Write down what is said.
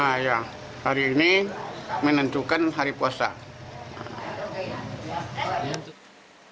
nah iya hari ini menunjukkan hari puasa